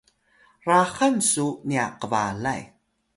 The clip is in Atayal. raxan cu nya kbalay